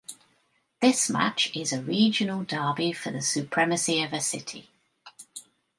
This match is a regional derby for the supremacy of a city.